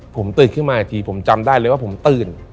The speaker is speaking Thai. ผมตื่นขึ้นมาอีกทีผมจำได้เลยว่าผมตื่น